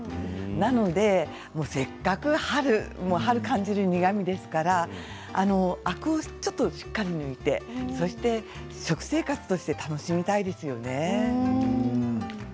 なのでせっかく春感じる苦みですからアクをしっかり抜いて食生活として楽しみたいですよね。